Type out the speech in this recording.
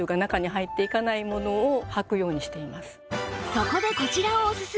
そこでこちらをおすすめ！